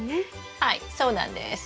はいそうなんです。